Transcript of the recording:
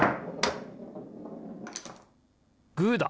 グーだ！